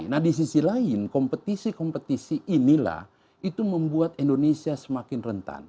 nah di sisi lain kompetisi kompetisi inilah itu membuat indonesia semakin rentan